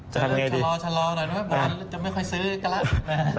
จะเริ่มชะลอหน่อยไม่ว่าจะไม่ค่อยซื้อกันล่ะ